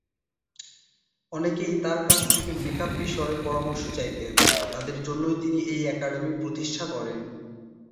অনেকেই তার কাছ থেকে মেকআপ বিষয়ক পরামর্শ চাইতেন, তাদের জন্যেই তিনি এ একাডেমি প্রতিষ্ঠা করেন।